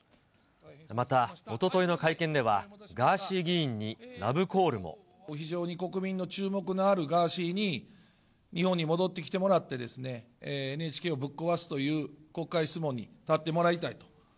また、おとといの会見では、非常に国民の注目のあるガーシーに、日本に戻ってきてもらってですね、ＮＨＫをぶっ壊すという国会質問に立ってもらいたいと。